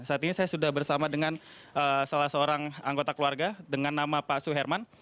saat ini saya sudah bersama dengan salah seorang anggota keluarga dengan nama pak suherman